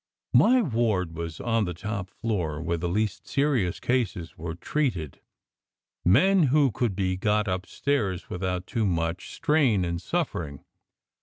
My ward was on the top floor, where the least serious cases were treated, men who could be got upstairs with out too much strain and suffering.